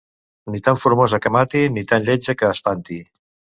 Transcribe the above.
Ni tan formosa que mati, ni tan lletja que espanti.